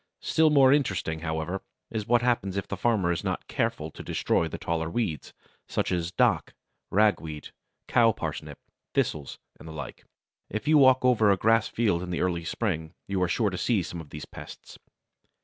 Still more interesting, however, is what happens if the farmer is not careful to destroy the taller weeds, such as Dock, Ragweed, Cow Parsnip, Thistles, and the like. If you walk over a grass field in early spring, you are sure to see some of these pests.